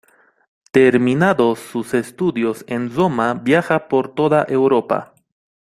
Terminados sus estudios en Roma viaja por toda Europa.